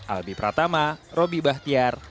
alby pratama robby bahtiar